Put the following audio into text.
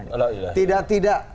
alhamdulillah tidak tidak